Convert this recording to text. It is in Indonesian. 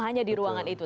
hanya di ruangan itu